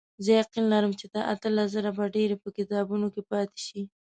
زه یقین لرم چې له اتلس زره به ډېرې په کتابونو کې پاتې شي.